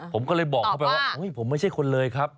ผมก็เลยบอกเขาไปว่าผมไม่ใช่คนเลยครับ